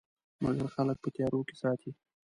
مګر خلک په تیارو کې ساتي.